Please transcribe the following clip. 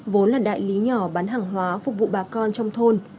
vốn là đại lý nhỏ bán hàng hóa phục vụ bà con trong thôn